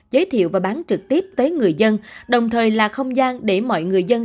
giới thiệu và bán trực tiếp tới người dân đồng thời là không gian để mọi người dân